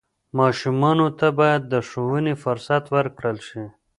ماشومانو ته باید د ښوونې فرصت ورکړل شي.